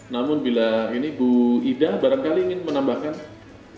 namun bila ini bu ida barangkali ingin menambahkan